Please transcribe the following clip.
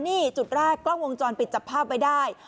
นี่จุดแรกกล้องวงจรปิดจับภาพไว้ได้